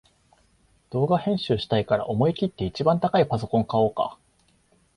動画編集したいから思いきって一番高いパソコン買おうか